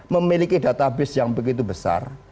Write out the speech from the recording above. memiliki database yang begitu besar